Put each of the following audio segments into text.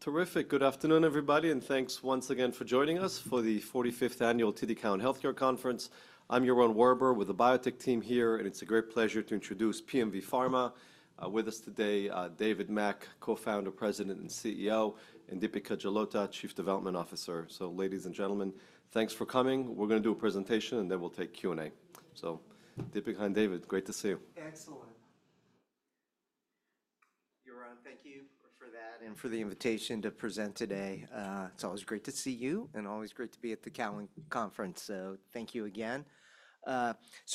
Terrific. Good afternoon, everybody, and thanks once again for joining us for the 45th Annual TD Cowen Healthcare Conference. I'm Yaron Werber with the Biotech team here, and it's a great pleasure to introduce PMV Pharma. With us today, David Mack, Co-founder, President and CEO, and Deepika Jalota, Chief Development Officer. Ladies and gentlemen, thanks for coming. We're going to do a presentation, and then we'll take Q&A. Deepika and David, great to see you. Excellent. Yaron, thank you for that and for the invitation to present today. It's always great to see you and always great to be at the Cowen Conference, so thank you again.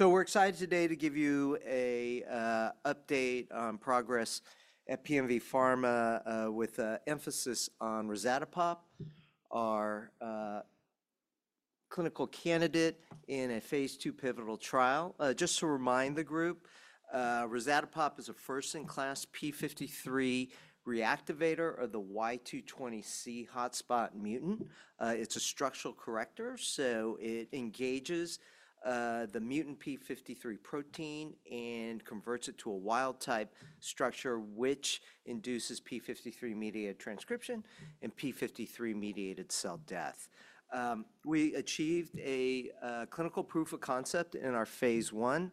We're excited today to give you an update on progress at PMV Pharmaceuticals with an emphasis on rezatapopt, our clinical candidate in a Phase II pivotal trial. Just to remind the group, rezatapopt is a first-in-class p53 reactivator of the Y220C hotspot mutant. It's a structural corrector, so it engages the mutant p53 protein and converts it to a wild-type structure, which induces p53-mediated transcription and p53-mediated cell death. We achieved a clinical proof of concept in our Phase I,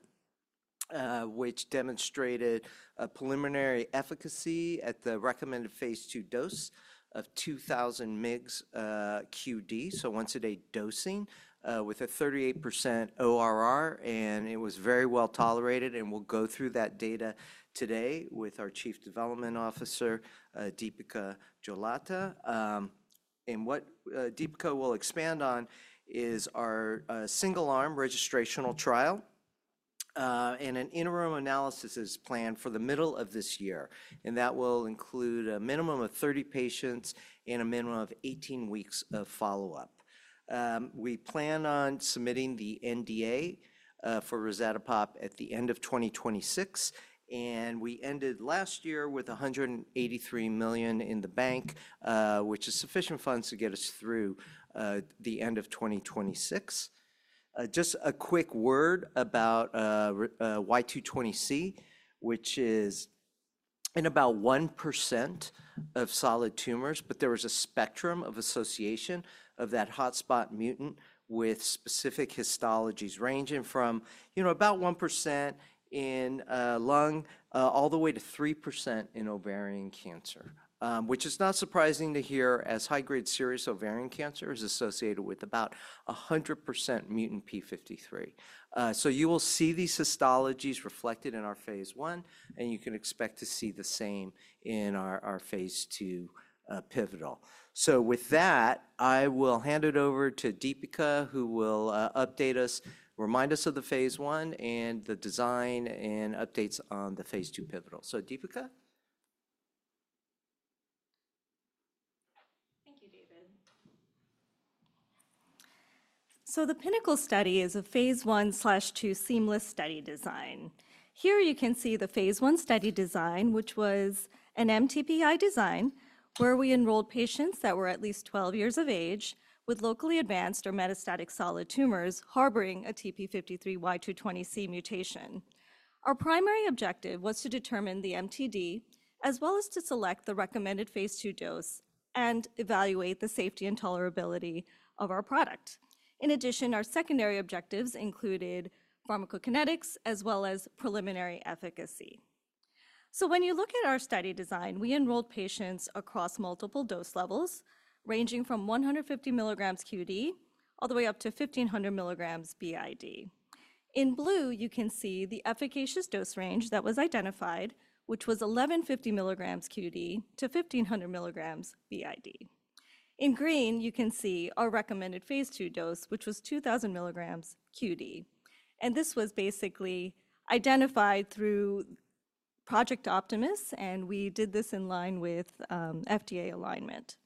which demonstrated a preliminary efficacy at the recommended Phase II dose of 2,000 mg q.d., so once-a-day dosing, with a 38% ORR, and it was very well tolerated. We will go through that data today with our Chief Development Officer, Deepika Jalota. What Deepika will expand on is our single-arm registrational trial, and an interim analysis is planned for the middle of this year. That will include a minimum of 30 patients and a minimum of 18 weeks of follow-up. We plan on submitting the NDA for rezatapopt at the end of 2026, and we ended last year with $183 million in the bank, which is sufficient funds to get us through the end of 2026. Just a quick word about Y220C, which is in about 1% of solid tumors, but there was a spectrum of association of that hotspot mutant with specific histologies ranging from, you know, about 1% in lung all the way to 3% in ovarian cancer, which is not surprising to hear as high-grade serous ovarian cancer is associated with about 100% mutant p53. You will see these histologies reflected in our Phase I, and you can expect to see the same in our Phase II pivotal. With that, I will hand it over to Deepika, who will update us, remind us of the Phase I and the design and updates on the Phase II pivotal. Deepika? Thank you, David. The PYNNACLE study is a Phase I/II seamless study design. Here you can see the Phase I study design, which was an mTPI design where we enrolled patients that were at least 12 years of age with locally advanced or metastatic solid tumors harboring a TP53 Y220C mutation. Our primary objective was to determine the MTD as well as to select the recommended Phase II dose and evaluate the safety and tolerability of our product. In addition, our secondary objectives included pharmacokinetics as well as preliminary efficacy. When you look at our study design, we enrolled patients across multiple dose levels ranging from 150 mg q.d. all the way up to 1,500 mg b.i.d. In blue, you can see the efficacious dose range that was identified, which was 1,150 mg q.d. to 1,500 mg b.i.d. In green, you can see our recommended Phase II dose, which was 2,000 mg q.d. This was basically identified through Project Optimus, and we did this in line with FDA alignment.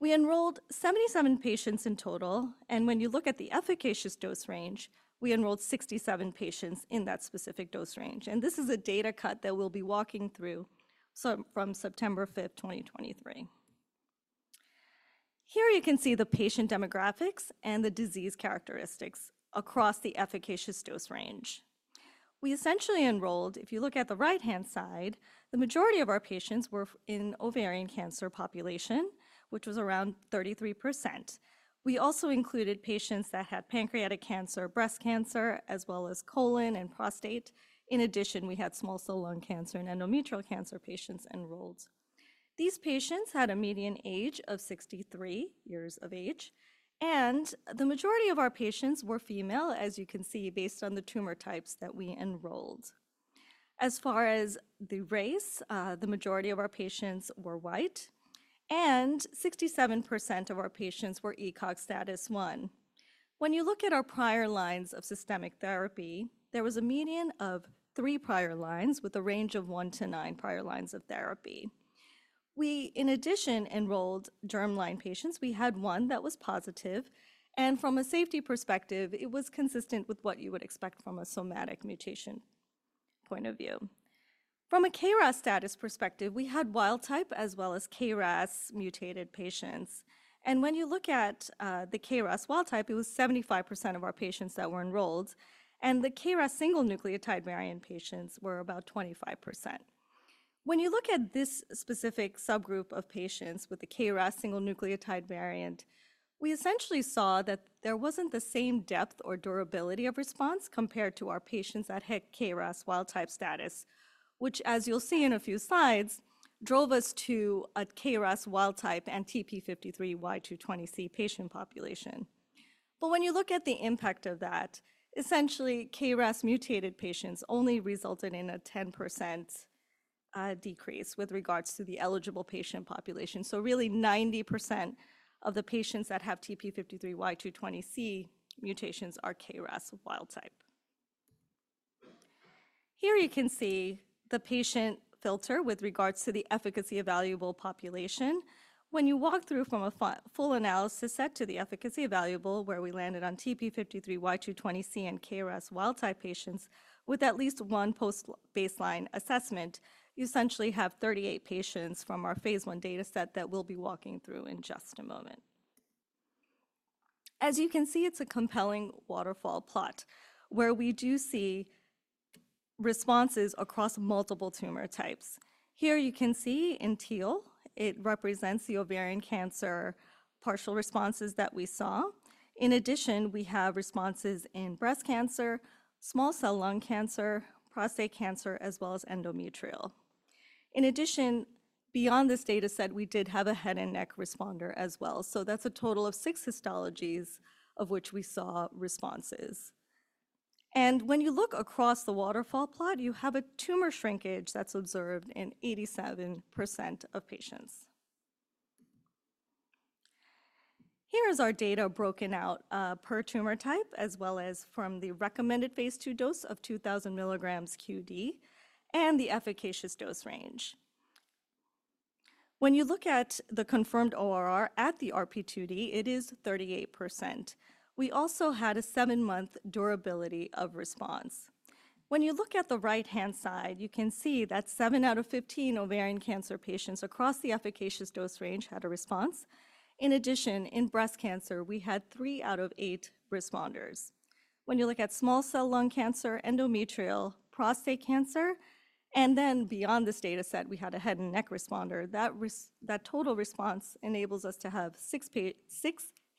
We enrolled 77 patients in total, and when you look at the efficacious dose range, we enrolled 67 patients in that specific dose range. This is a data cut that we'll be walking through from September 5th, 2023. Here you can see the patient demographics and the disease characteristics across the efficacious dose range. We essentially enrolled, if you look at the right-hand side, the majority of our patients were in the ovarian cancer population, which was around 33%. We also included patients that had pancreatic cancer, breast cancer, as well as colon and prostate. In addition, we had small cell lung cancer and endometrial cancer patients enrolled. These patients had a median age of 63 years of age, and the majority of our patients were female, as you can see based on the tumor types that we enrolled. As far as the race, the majority of our patients were white, and 67% of our patients were ECOG status 1. When you look at our prior lines of systemic therapy, there was a median of three prior lines with a range of one to nine prior lines of therapy. We, in addition, enrolled germline patients. We had one that was positive, and from a safety perspective, it was consistent with what you would expect from a somatic mutation point of view. From a KRAS status perspective, we had wild-type as well as KRAS mutated patients. When you look at the KRAS wild-type, it was 75% of our patients that were enrolled, and the KRAS single nucleotide variant patients were about 25%. When you look at this specific subgroup of patients with the KRAS single nucleotide variant, we essentially saw that there was not the same depth or durability of response compared to our patients that had KRAS wild-type status, which, as you'll see in a few slides, drove us to a KRAS wild-type and TP53 Y220C patient population. When you look at the impact of that, essentially, KRAS mutated patients only resulted in a 10% decrease with regards to the eligible patient population. Really, 90% of the patients that have TP53 Y220C mutations are KRAS wild-type. Here you can see the patient filter with regards to the efficacy evaluable population. When you walk through from a full analysis set to the efficacy evaluable, where we landed on TP53 Y220C and KRAS wild-type patients with at least one post-baseline assessment, you essentially have 38 patients from our Phase I dataset that we'll be walking through in just a moment. As you can see, it's a compelling waterfall plot where we do see responses across multiple tumor types. Here you can see in teal, it represents the ovarian cancer partial responses that we saw. In addition, we have responses in breast cancer, small cell lung cancer, prostate cancer, as well as endometrial. In addition, beyond this dataset, we did have a head and neck responder as well. That is a total of six histologies of which we saw responses. When you look across the waterfall plot, you have a tumor shrinkage that's observed in 87% of patients. Here is our data broken out per tumor type as well as from the recommended Phase II dose of 2,000 mg q.d. and the efficacious dose range. When you look at the confirmed ORR at the RP2D, it is 38%. We also had a seven-month durability of response. When you look at the right-hand side, you can see that 7 out of 15 ovarian cancer patients across the efficacious dose range had a response. In addition, in breast cancer, we had 3 out of 8 responders. When you look at small cell lung cancer, endometrial, prostate cancer, and then beyond this dataset, we had a head and neck responder. That total response enables us to have six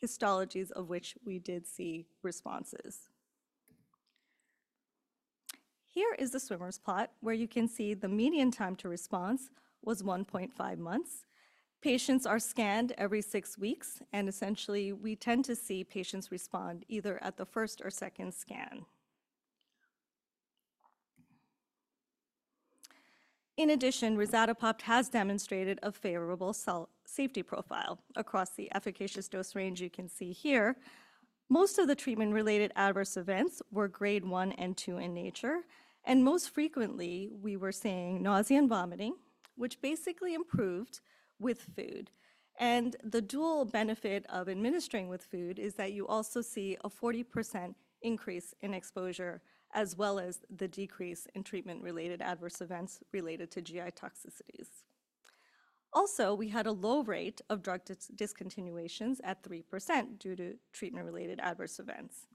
histologies of which we did see responses. Here is the swimmers plot where you can see the median time to response was 1.5 months. Patients are scanned every six weeks, and essentially, we tend to see patients respond either at the first or second scan. In addition, rezatapopt has demonstrated a favorable safety profile across the efficacious dose range you can see here. Most of the treatment-related adverse events were Grade I and II in nature, and most frequently, we were seeing nausea and vomiting, which basically improved with food. The dual benefit of administering with food is that you also see a 40% increase in exposure as well as the decrease in treatment-related adverse events related to GI toxicities. We had a low rate of drug discontinuations at 3% due to treatment-related adverse events.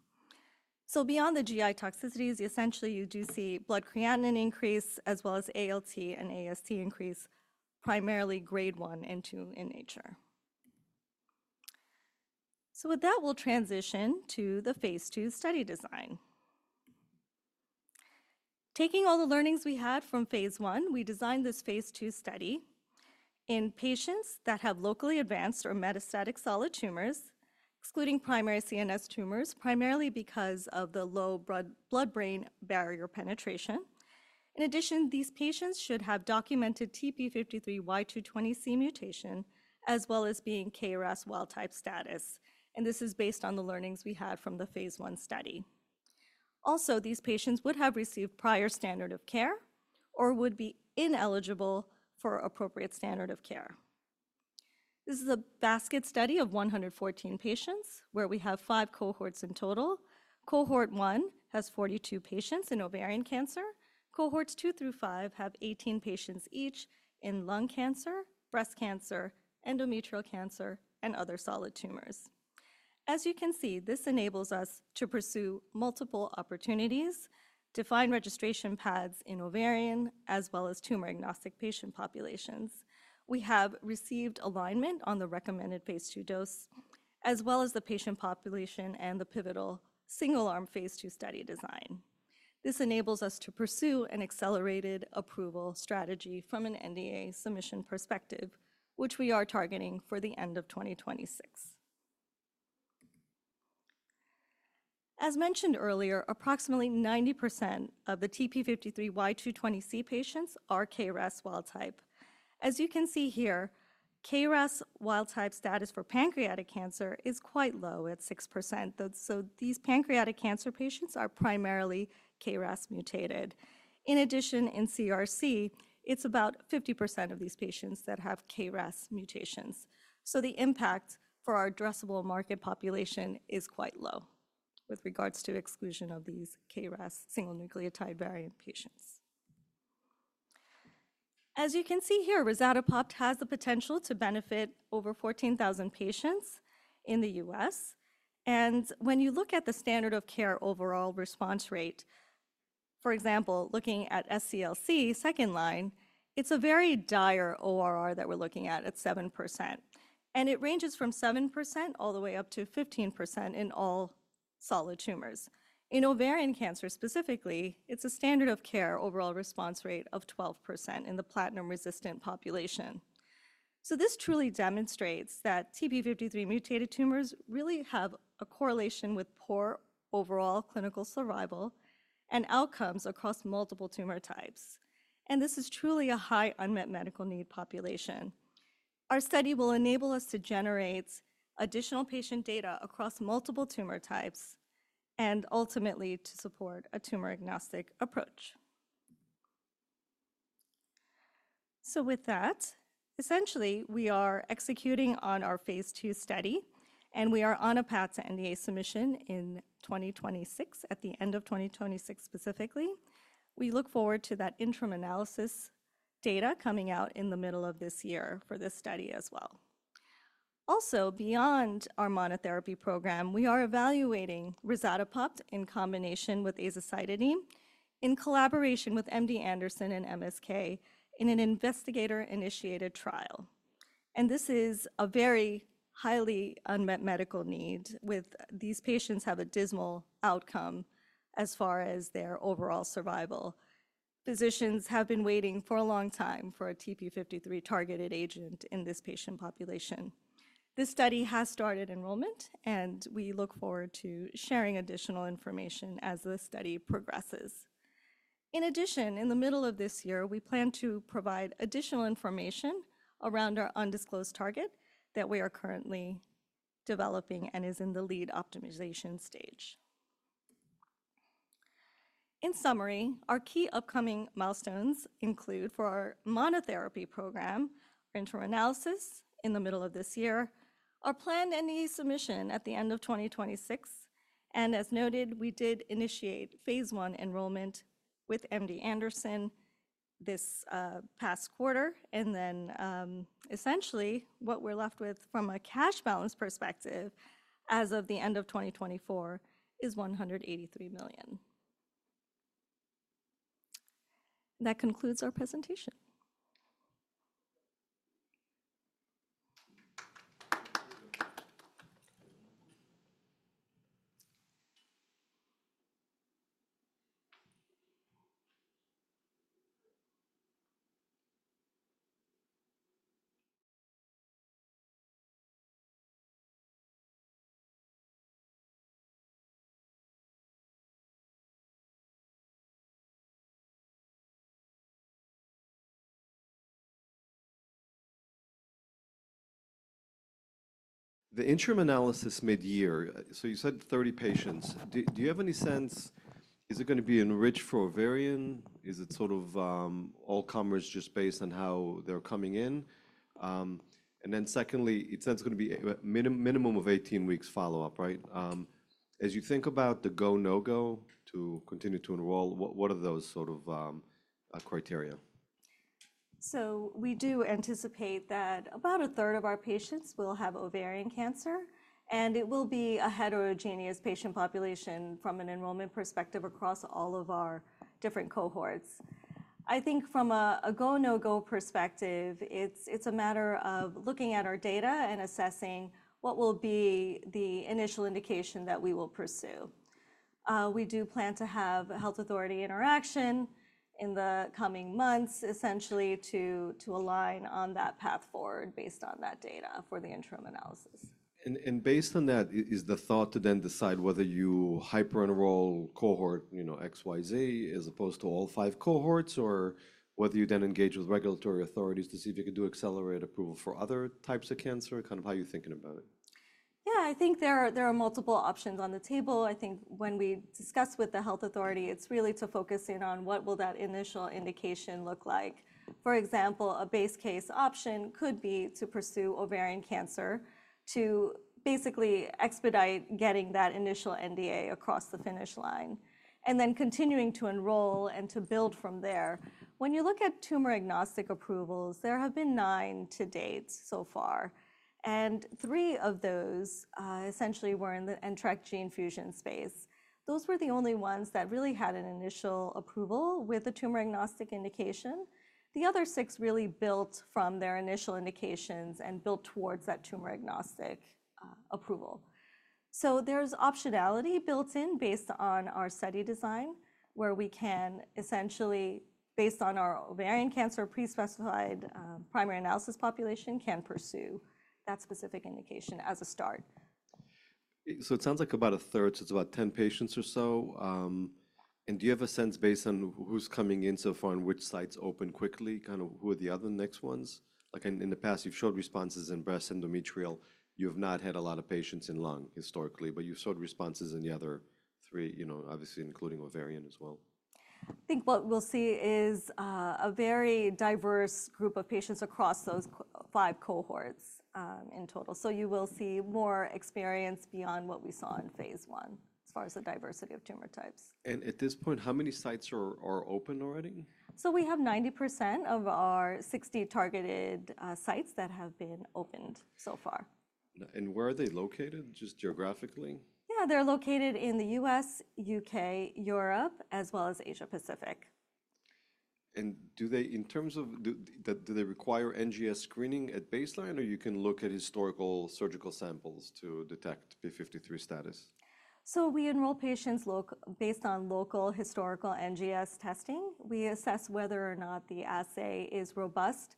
Beyond the GI toxicities, essentially, you do see blood creatinine increase as well as ALT and AST increase, primarily Grade I and II in nature. With that, we'll transition to the Phase II study design. Taking all the learnings we had from Phase I, we designed this Phase II study in patients that have locally advanced or metastatic solid tumors, excluding primary CNS tumors, primarily because of the low blood-brain barrier penetration. In addition, these patients should have documented TP53 Y220C mutation as well as being KRAS wild-type status. This is based on the learnings we had from the Phase I study. Also, these patients would have received prior standard of care or would be ineligible for appropriate standard of care. This is a basket study of 114 patients where we have five cohorts in total. Cohort I has 42 patients in ovarian cancer. Cohorts II through V have 18 patients each in lung cancer, breast cancer, endometrial cancer, and other solid tumors. As you can see, this enables us to pursue multiple opportunities, define registration paths in ovarian as well as tumor-agnostic patient populations. We have received alignment on the recommended Phase II dose as well as the patient population and the pivotal single-arm Phase II study design. This enables us to pursue an accelerated approval strategy from an NDA submission perspective, which we are targeting for the end of 2026. As mentioned earlier, approximately 90% of the TP53 Y220C patients are KRAS wild-type. As you can see here, KRAS wild-type status for pancreatic cancer is quite low at 6%. These pancreatic cancer patients are primarily KRAS mutated. In addition, in CRC, it is about 50% of these patients that have KRAS mutations. The impact for our addressable market population is quite low with regards to exclusion of these KRAS single nucleotide variant patients. As you can see here, rezatapopt has the potential to benefit over 14,000 patients in the U.S. When you look at the standard of care overall response rate, for example, looking at SCLC second line, it's a very dire ORR that we're looking at at 7%. It ranges from 7%-15% in all solid tumors. In ovarian cancer specifically, it's a standard of care overall response rate of 12% in the platinum-resistant population. This truly demonstrates that TP53 mutated tumors really have a correlation with poor overall clinical survival and outcomes across multiple tumor types. This is truly a high unmet medical need population. Our study will enable us to generate additional patient data across multiple tumor types and ultimately to support a tumor-agnostic approach. With that, essentially, we are executing on our Phase II study, and we are on a path to NDA submission in 2026, at the end of 2026 specifically. We look forward to that interim analysis data coming out in the middle of this year for this study as well. Also, beyond our monotherapy program, we are evaluating rezatapopt in combination with azacitidine in collaboration with MD Anderson and MSK in an investigator-initiated trial. This is a very highly unmet medical need, with these patients having a dismal outcome as far as their overall survival. Physicians have been waiting for a long time for a TP53 targeted agent in this patient population. This study has started enrollment, and we look forward to sharing additional information as the study progresses. In addition, in the middle of this year, we plan to provide additional information around our undisclosed target that we are currently developing and is in the lead optimization stage. In summary, our key upcoming milestones include for our monotherapy program, interim analysis in the middle of this year, our planned NDA submission at the end of 2026. As noted, we did initiate Phase I enrollment with MD Anderson this past quarter. Essentially, what we're left with from a cash balance perspective as of the end of 2024 is $183 million. That concludes our presentation. The interim analysis mid-year, you said 30 patients. Do you have any sense? Is it going to be enriched for ovarian? Is it sort of all comers just based on how they're coming in? Secondly, it's going to be a minimum of 18 weeks follow-up, right? As you think about the go, no go to continue to enroll, what are those sort of criteria? We do anticipate that about a third of our patients will have ovarian cancer, and it will be a heterogeneous patient population from an enrollment perspective across all of our different cohorts. I think from a go, no go perspective, it's a matter of looking at our data and assessing what will be the initial indication that we will pursue. We do plan to have health authority interaction in the coming months, essentially to align on that path forward based on that data for the interim analysis. Based on that, is the thought to then decide whether you hyper-enroll cohort X, Y, Z as opposed to all five cohorts, or whether you then engage with regulatory authorities to see if you can do accelerated approval for other types of cancer? Kind of how are you thinking about it? Yeah, I think there are multiple options on the table. I think when we discuss with the health authority, it's really to focus in on what will that initial indication look like. For example, a base case option could be to pursue ovarian cancer to basically expedite getting that initial NDA across the finish line and then continuing to enroll and to build from there. When you look at tumor-agnostic approvals, there have been nine to date so far. Three of those essentially were in the NTRK gene fusion space. Those were the only ones that really had an initial approval with a tumor-agnostic indication. The other six really built from their initial indications and built towards that tumor-agnostic approval. There is optionality built in based on our study design where we can essentially, based on our ovarian cancer pre-specified primary analysis population, pursue that specific indication as a start. It sounds like about a third, so it's about 10 patients or so. Do you have a sense based on who's coming in so far and which sites open quickly? Kind of who are the other next ones? Like in the past, you've showed responses in breast, endometrial. You have not had a lot of patients in lung historically, but you've showed responses in the other three, obviously including ovarian as well. I think what we'll see is a very diverse group of patients across those five cohorts in total. You will see more experience beyond what we saw in Phase I as far as the diversity of tumor types. At this point, how many sites are open already? We have 90% of our 60 targeted sites that have been opened so far. Where are they located, just geographically? Yeah, they're located in the U.S., U.K., Europe, as well as Asia-Pacific. Do they, in terms of, do they require NGS screening at baseline or you can look at historical surgical samples to detect p53 status? We enroll patients based on local historical NGS testing. We assess whether or not the assay is robust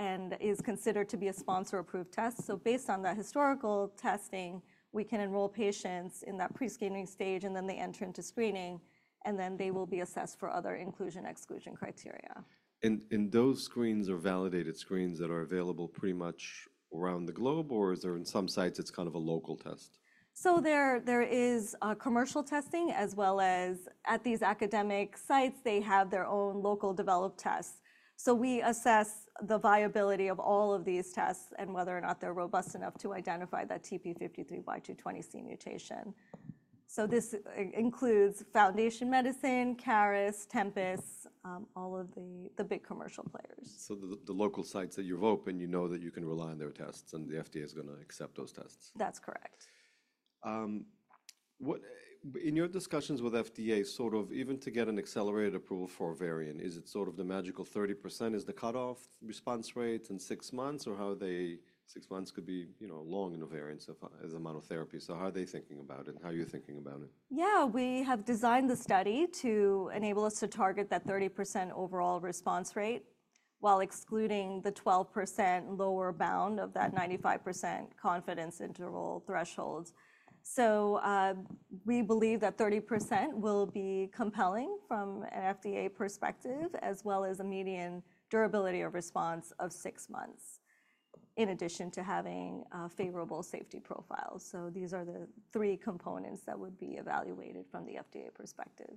and is considered to be a sponsor-approved test. Based on that historical testing, we can enroll patients in that pre-screening stage and then they enter into screening and then they will be assessed for other inclusion/exclusion criteria. Are those screens validated screens that are available pretty much around the globe, or is there in some sites it's kind of a local test? There is commercial testing as well as at these academic sites, they have their own locally developed tests. We assess the viability of all of these tests and whether or not they're robust enough to identify that TP53 Y220C mutation. This includes Foundation Medicine, Caris, Tempus, all of the big commercial players. The local sites that you've opened, you know that you can rely on their tests and the FDA is going to accept those tests. That's correct. In your discussions with FDA, sort of even to get an accelerated approval for ovarian, is it sort of the magical 30% is the cutoff response rate in six months or how are they six months could be long in ovarian as a monotherapy? How are they thinking about it and how are you thinking about it? Yeah, we have designed the study to enable us to target that 30% overall response rate while excluding the 12% lower bound of that 95% confidence interval threshold. We believe that 30% will be compelling from an FDA perspective as well as a median durability of response of six months in addition to having favorable safety profiles. These are the three components that would be evaluated from the FDA perspective.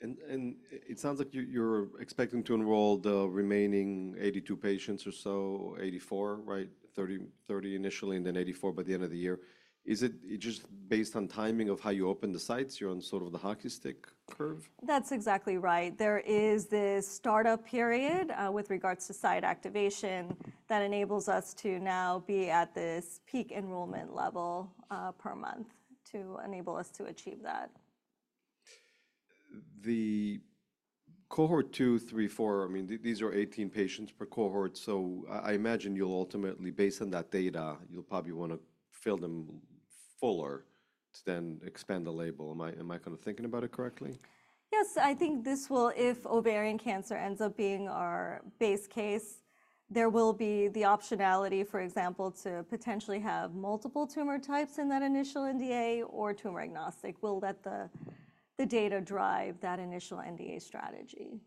It sounds like you're expecting to enroll the remaining 82 patients or so, 84, right? Thirty initially and then 84 by the end of the year. Is it just based on timing of how you open the sites? You're on sort of the hockey stick curve? That's exactly right. There is this startup period with regards to site activation that enables us to now be at this peak enrollment level per month to enable us to achieve that. The cohort two, three, four, I mean, these are 18 patients per cohort. I imagine you'll ultimately, based on that data, you'll probably want to fill them fuller to then expand the label. Am I kind of thinking about it correctly? Yes, I think this will, if ovarian cancer ends up being our base case, there will be the optionality, for example, to potentially have multiple tumor types in that initial NDA or tumor-agnostic. We'll let the data drive that initial NDA strategy.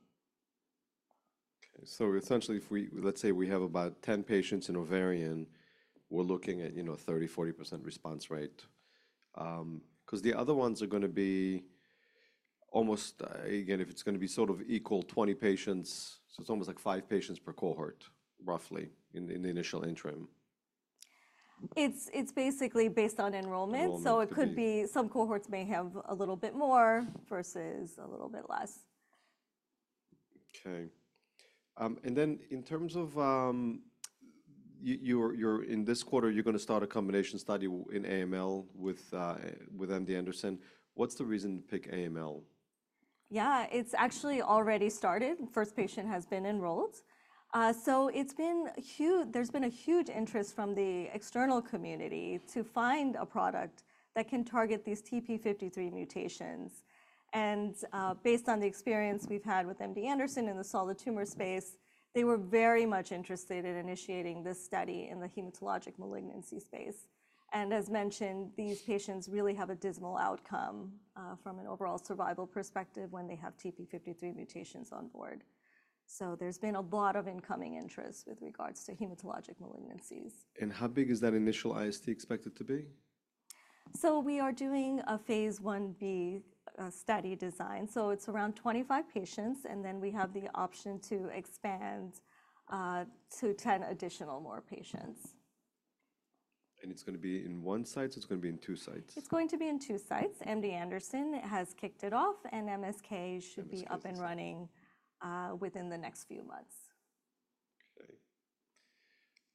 Okay. Essentially, let's say we have about 10 patients in ovarian, we're looking at 30-40% response rate. Because the other ones are going to be almost, again, if it's going to be sort of equal, 20 patients, so it's almost like five patients per cohort roughly in the initial interim. It's basically based on enrollment. It could be some cohorts may have a little bit more versus a little bit less. Okay. In terms of you're in this quarter, you're going to start a combination study in AML with MD Anderson. What's the reason to pick AML? Yeah, it's actually already started. First patient has been enrolled. It's been huge. There's been a huge interest from the external community to find a product that can target these TP53 mutations. Based on the experience we've had with MD Anderson in the solid tumor space, they were very much interested in initiating this study in the hematologic malignancy space. As mentioned, these patients really have a dismal outcome from an overall survival perspective when they have TP53 mutations on board. There's been a lot of incoming interest with regards to hematologic malignancies. How big is that initial IST expected to be? We are doing a Phase Ib study design. It is around 25 patients, and then we have the option to expand to 10 additional more patients. It's going to be in one site, so it's going to be in two sites? It's going to be in two sites. MD Anderson has kicked it off, and MSK should be up and running within the next few months.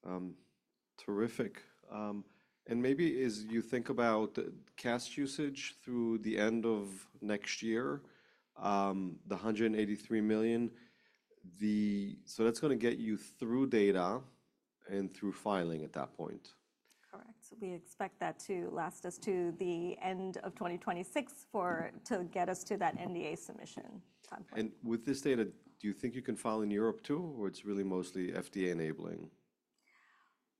Okay. Terrific. Maybe as you think about cash usage through the end of next year, the $183 million, so that's going to get you through data and through filing at that point. Correct. We expect that to last us to the end of 2026 to get us to that NDA submission timeframe. With this data, do you think you can file in Europe too, or it's really mostly FDA enabling?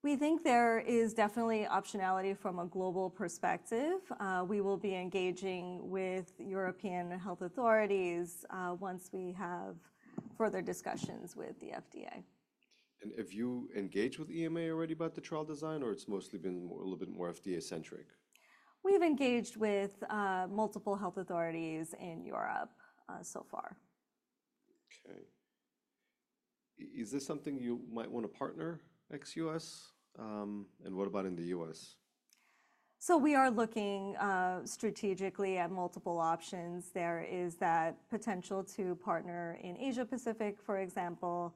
We think there is definitely optionality from a global perspective. We will be engaging with European health authorities once we have further discussions with the FDA. Have you engaged with EMA already about the trial design, or it's mostly been a little bit more FDA-centric? We've engaged with multiple health authorities in Europe so far. Okay. Is this something you might want to partner ex-U.S.? And what about in the U.S.? We are looking strategically at multiple options. There is that potential to partner in Asia-Pacific, for example,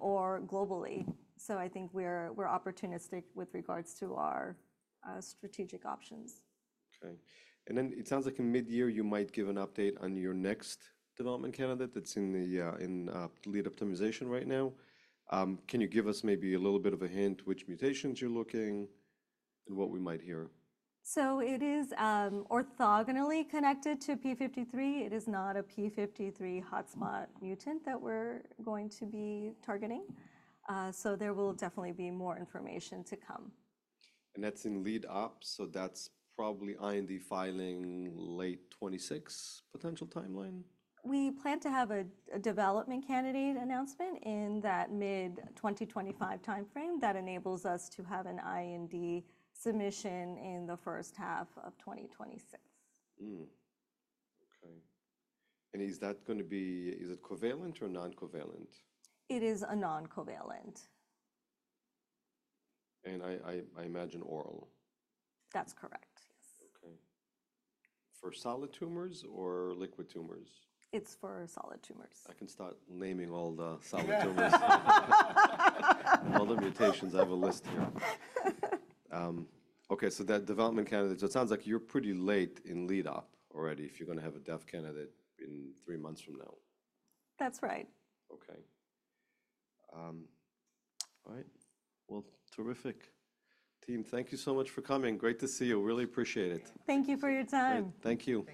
or globally. I think we're opportunistic with regards to our strategic options. Okay. It sounds like in mid-year you might give an update on your next development candidate that's in lead optimization right now. Can you give us maybe a little bit of a hint which mutations you're looking at and what we might hear? It is orthogonally connected to p53. It is not a p53 hotspot mutant that we're going to be targeting. There will definitely be more information to come. That's in lead ops. That's probably IND filing late 2026, potential timeline? We plan to have a development candidate announcement in that mid-2025 timeframe that enables us to have an IND submission in the first half of 2026. Okay. Is that going to be, is it covalent or non-covalent? It is a non-covalent. I imagine oral. That's correct. Okay. For solid tumors or liquid tumors? It's for solid tumors. I can start naming all the solid tumors. All the mutations. I have a list here. Okay. So that development candidate, so it sounds like you're pretty late in lead up already if you're going to have a dev candidate in three months from now. That's right. Okay. All right. Terrific. Team, thank you so much for coming. Great to see you. Really appreciate it. Thank you for your time. Thank you.